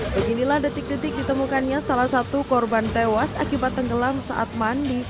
beginilah detik detik ditemukannya salah satu korban tewas akibat tenggelam saat mandi